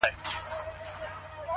ملالۍ دغه غیرت وو ستا د وروڼو؟،